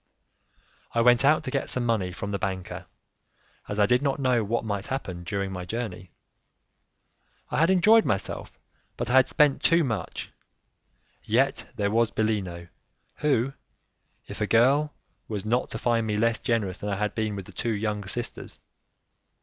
I went out to get some money from the banker, as I did not know what might happen during my journey. I had enjoyed myself, but I had spent too much: yet there was Bellino who, if a girl, was not to find me less generous than I had been with the two young sisters.